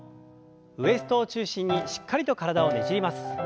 ウエストを中心にしっかりと体をねじります。